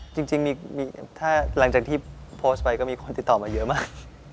จริงถ้าหลังจากที่โพสต์ไปก็มีคนติดต่อมาเยอะมาก